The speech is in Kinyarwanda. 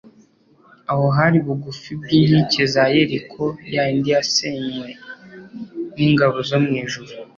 Aho hari bugufi bw'inkike za Yeriko ya yindi yasenywe n'ingabo zo mu ijuru.